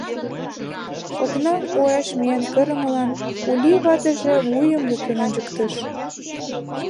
Окнам уэш миен кырымылан Ули ватыже вуйым луктын ончыктыш.